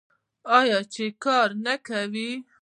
آیا چې کار نه کوي؟